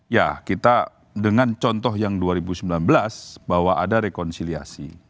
ya kita dengan contoh yang dua ribu sembilan belas bahwa ada rekonsiliasi